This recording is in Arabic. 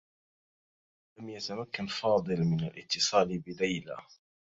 لم يتمكّن فاضل من الاتّصال بليلى.